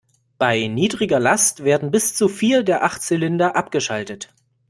Bei niedriger Last werden bis zu vier der acht Zylinder abgeschaltet.